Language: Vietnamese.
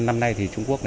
năm nay thì trung quốc